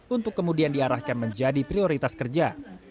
untuk kemudian diarahkan menjadi prioritas kerja